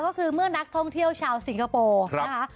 ก็คือเมื่อนักท่องเที่ยวชาวสิงคโปร์นะคะ